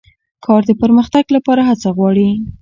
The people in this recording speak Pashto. کار د پرمختګ لپاره هڅه غواړي